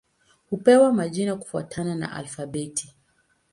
Hupewa majina kufuatana na alfabeti.